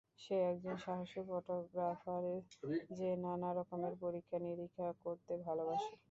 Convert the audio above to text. সে একজন সাহসী ফটোগ্রাফার যে নানা রকমের পরীক্ষা নিরীক্ষা করতে ভালবাসে।